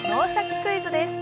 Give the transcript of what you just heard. クイズ」です。